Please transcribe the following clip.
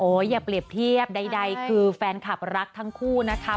อย่าเปรียบเทียบใดคือแฟนคลับรักทั้งคู่นะคะ